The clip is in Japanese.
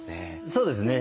そうですね。